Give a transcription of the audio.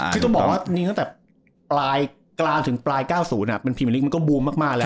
คือต้องบอกว่าตั้งแต่ปลายกลางถึงปลาย๙๐มันก็บูมมากแล้ว